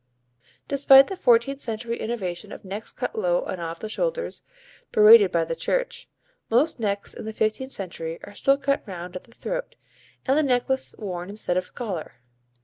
Despite the fourteenth century innovation of necks cut low and off the shoulders (berated by the Church), most necks in the fifteenth century are still cut round at the throat, and the necklace worn instead of collar.